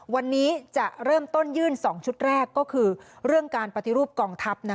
วันนี้จะเริ่มต้นยื่น๒ชุดแรกก็คือเรื่องการปฏิรูปกองทัพ